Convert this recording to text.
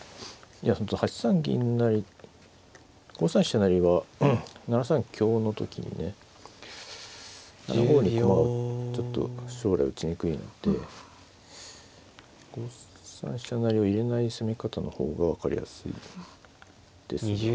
成は７三香の時にね７五に駒がちょっと将来打ちにくいので５三飛車成を入れない攻め方の方が分かりやすいですが。